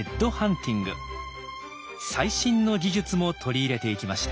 最新の技術も取り入れていきました。